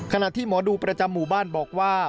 ขณะที่หมอดูประจำหมู่บ้านบอกว่า